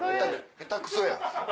下手くそやん。